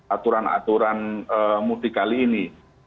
aturan aturan mudik kali ini